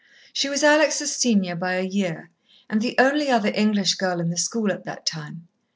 She was Alex' senior by a year, and the only other English girl in the school at that time.